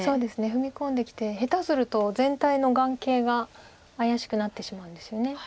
踏み込んできて下手すると全体の眼形が怪しくなってしまうんですよね。